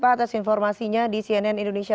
atas informasinya di cnn indonesia